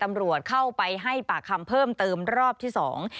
ตำรวจเข้าไปให้ปากคำเพิ่มเติมรอบที่สอง